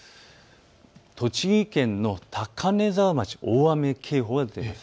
栃木県の高根沢町、大雨警報が出ています。